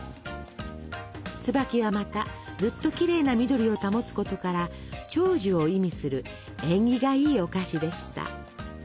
つばきはまたずっときれいな緑を保つことから「長寿」を意味する縁起がいいお菓子でした。